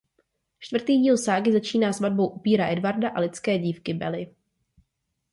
Čtvrtý díl ságy začíná svatbou upíra Edwarda a lidské dívky Belly.